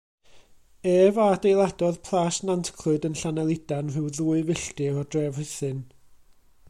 Ef a adeiladodd Plas Nantclwyd yn Llanelidan, rhyw ddwy filltir o dref Rhuthun.